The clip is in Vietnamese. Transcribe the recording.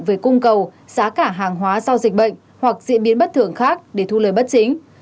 về cung cầu giá cả hàng hóa do dịch bệnh hoặc diễn biến bất thường khác để thu lời bất chính